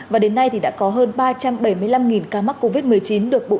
và đến nay thì đã có hơn ba trăm bảy mươi năm ca mắc covid một mươi chín được bộ y tế